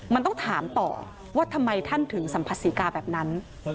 มันต้องถามต่อว่าทำไมท่านถึงสัมผัสศรีกาแบบนั้น